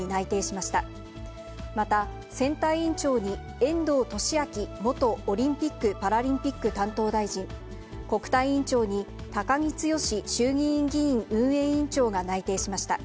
また、選対委員長に遠藤利明元オリンピック・パラリンピック担当大臣、国対委員長に高木毅衆議院議員運営委員長が内定しました。